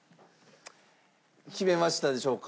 決めましたでしょうか？